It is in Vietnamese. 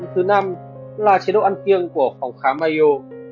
thứ năm là chế độ ăn kiêng của phòng khám mayo